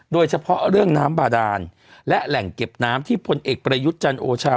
โดยเฉพาะเรื่องน้ำบาดานและแหล่งเก็บน้ำที่พลเอกประยุทธ์จันทร์โอชา